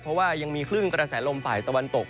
เพราะว่ายังมีคลื่นกระแสลมฝ่ายตะวันตก